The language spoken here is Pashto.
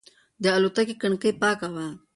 د الوتکې کړکۍ پاکه وه.